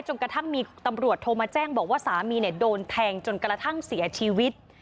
กระทั่งมีตำรวจโทรมาแจ้งบอกว่าสามีโดนแทงจนกระทั่งเสียชีวิต